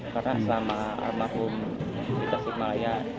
karena sama almarhum di tasik malaya